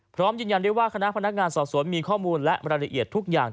พร้อมยืนยันได้ว่าคณะพนักงานสอบสวนมีข้อมูลและรายละเอียดทุกอย่าง